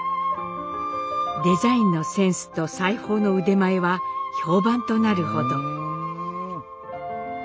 デザインのセンスと裁縫の腕前は評判となるほど。